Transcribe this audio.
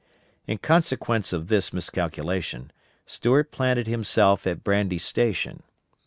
In consequence of this miscalculation, Stuart planted himself at Brandy Station.